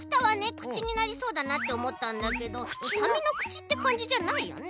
くちになりそうだなっておもったんだけどサメのくちってかんじじゃないよね。